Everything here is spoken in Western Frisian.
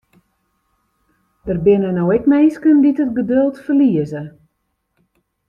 Der binne no ek minsken dy't it geduld ferlieze.